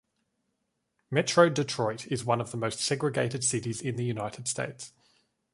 Metro-Detroit is one of the most segregated cities in the United States.